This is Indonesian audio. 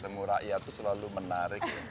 pengalaman pengalaman pengalaman pengalaman